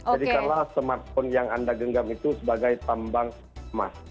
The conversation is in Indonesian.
jadi kala smartphone yang anda genggam itu sebagai tambang emas